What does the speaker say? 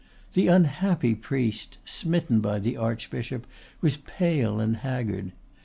The unhappy priest, smitten by the archbishop, was pale and haggard.